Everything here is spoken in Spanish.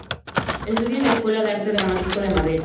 Estudia en la Escuela de Arte Dramático de Madrid.